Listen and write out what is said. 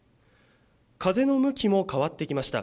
風の向きも変わってきました。